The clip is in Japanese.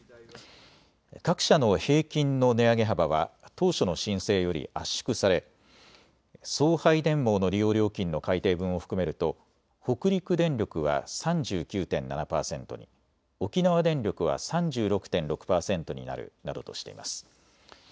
各社の平均の値上げ幅は当初の申請より圧縮され送配電網の利用料金の改定分を含めると北陸電力は３９．７％に沖縄電力は３６．６％になるなどとしています。